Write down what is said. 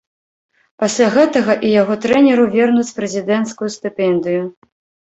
Пасля гэтага і яго трэнеру вернуць прэзідэнцкую стыпендыю.